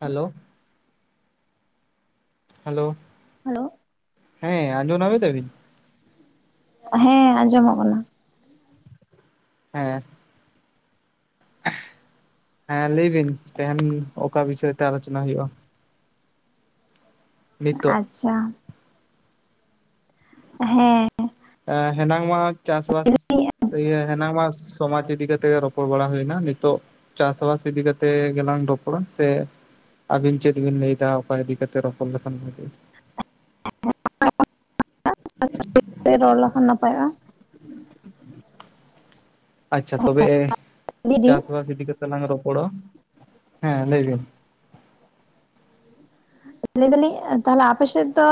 Hello hello hello [inaudible] ᱦᱮᱸ ᱟᱸᱡᱚᱢ ᱱᱟᱢ ᱫᱟᱵᱤᱱ ᱦᱮᱸ ᱟᱸᱡᱚᱢᱚᱜ ᱠᱟᱱᱟ ᱦᱮᱸ ᱦᱮᱸ ᱞᱟᱹᱭ ᱵᱤᱱ ᱛᱮᱦᱮᱧ ᱚᱠᱟ ᱵᱤᱥᱚᱭ ᱛᱮ ᱟᱞᱳᱪᱚᱱᱟ ᱦᱩᱭᱩᱜᱼᱟ? ᱱᱤᱛᱚᱜ ᱟᱪᱪᱷᱟ ᱦᱮᱸ ᱮ ᱦᱮᱱᱟᱝ ᱢᱟ ᱪᱟᱥᱵᱟᱥ ᱤᱭᱟᱹ ᱦᱮᱱᱟᱝ ᱢᱟᱥ ᱥᱚᱢᱟᱡᱽ ᱤᱫᱤ ᱠᱟᱛᱮᱜ ᱨᱚᱯᱚᱲ ᱵᱟᱲᱟ ᱦᱩᱭᱮᱱᱟ ᱱᱤᱛᱚᱜ ᱪᱟᱥᱵᱟᱥ ᱤᱫᱤ ᱠᱟᱛᱮ ᱜᱮᱞᱟᱝ ᱨᱚᱯᱚᱲᱟ ᱥᱮ ᱟᱹᱵᱤᱱ ᱪᱮᱫ ᱵᱤᱱ ᱞᱟᱹᱭᱮᱫᱟ ᱚᱠᱟ ᱤᱫᱤ ᱠᱟᱛᱮ ᱨᱚᱯᱚᱲ ᱞᱮᱠᱷᱟᱱ ᱵᱷᱟᱹᱜᱤ [inaudible] ᱨᱚᱲ ᱞᱮᱠᱷᱟᱱ ᱱᱟᱯᱟᱭᱚᱜᱼᱟ ᱟᱪᱪᱷᱟ ᱛᱚᱵᱮ ᱞᱟᱹᱭᱫᱟᱹᱧ ᱪᱟᱥᱵᱟᱥ ᱤᱫᱤ ᱠᱟᱛᱮ ᱞᱟᱝ ᱨᱚᱯᱚᱲᱟ ᱦᱮᱸ ᱞᱟᱹᱭ ᱵᱤᱱ ᱞᱟᱹᱭ ᱫᱟᱞᱤᱧ ᱛᱟᱦᱞᱮ ᱟᱯᱮᱥᱮᱫ ᱫᱚ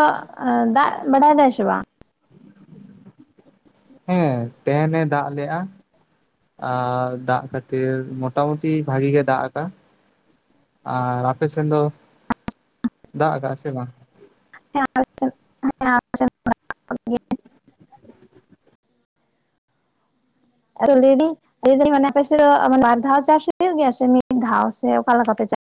ᱫᱟᱜ ᱵᱟᱰᱟᱭ ᱫᱟᱭ ᱥᱮ ᱵᱟᱝ ᱦᱮᱸ ᱛᱟᱦᱮᱸᱱᱮ ᱫᱟᱜ ᱞᱮᱼᱟ ᱟᱨ ᱫᱟᱜ ᱠᱷᱟᱹᱛᱤᱨ ᱢᱚᱴᱟ ᱢᱩᱴᱤ ᱵᱷᱟᱹᱜᱤ ᱜᱮ ᱫᱟᱜ ᱟᱫᱟ᱾ ᱟᱨ ᱟᱯᱮ ᱥᱮᱱ ᱫᱚ ᱫᱟᱜ ᱠᱟᱜᱼᱟ ᱥᱮ ᱵᱟᱝ? [unintelligible] ᱦᱮᱸ [unintelligible] ᱦᱮᱸ [inaudible] ᱞᱟᱹᱭ ᱫᱤᱧ ᱞᱟᱹᱭ ᱫᱤᱧ ᱚᱱᱟ ᱯᱟᱥᱮ ᱫᱚ ᱢᱟᱱᱮ ᱵᱟᱨ ᱫᱷᱟᱣ ᱪᱟᱥ ᱦᱩᱭᱩᱜ ᱜᱮᱭᱟ ᱥᱮ ᱢᱤᱫ ᱫᱷᱟᱣ ᱥᱮ ᱚᱠᱟ ᱞᱮᱠᱟ ᱯᱮ ᱪᱟᱥ